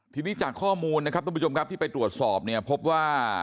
ที่นี้จากข้อมูลที่ไปตรวจสอบพบว่า